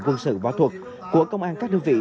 quân sự võ thuật của công an các đơn vị